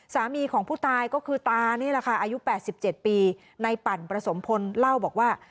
สามีของผู้ตายก็คือตานี่แหละค่ะอายุ๘๗ปีในปั่นประสมพลเล่าบอกว่า